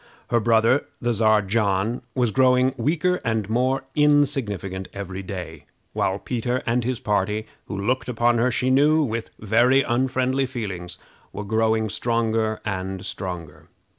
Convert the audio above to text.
Her brother, the Czar John, was growing weaker and more insignificant every day; while Peter and his party, who looked upon her, she knew, with very unfriendly feelings, were growing stronger and stronger.